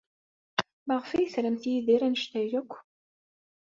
Maɣef ay tramt Yidir anect-a akk?